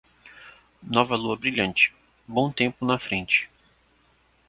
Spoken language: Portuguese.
Nova lua brilhante, bom tempo na frente.